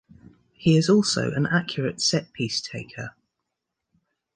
He is also an accurate set-piece taker.